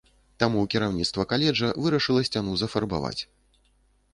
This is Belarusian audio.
Таму кіраўніцтва каледжа вырашыла сцяну зафарбаваць.